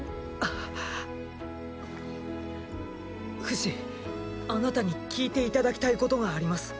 フシあなたに聞いていただきたいことがあります。